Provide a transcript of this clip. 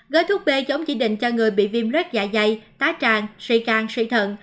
gói thuốc b giống chỉ định cho người bị viêm rết dạ dày tá tràn suy cang suy thận